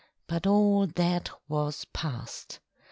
But all that was past.